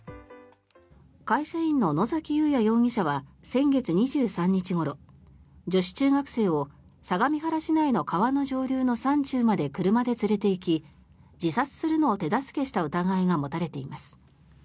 会社員の野崎祐也容疑者は先月２３日ごろ女子中学生を相模原市内の川の上流の山中まで車で連れていき自殺するのを手助けした疑いが持たれています。